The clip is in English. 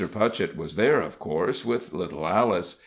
Putchett was there, of course, with little Alice.